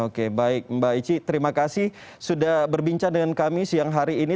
oke baik mbak ici terima kasih sudah berbincang dengan kami siang hari ini